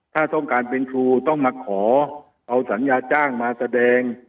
ถ้าต้องการเป็นครูต้องมาขอเอาสัญญาจ้างมาแสดง